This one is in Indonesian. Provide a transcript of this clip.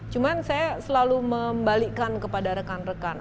cuma saya selalu membalikkan kepada rekan rekan